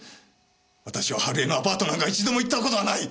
私は春枝のアパートなんか一度も行った事はない。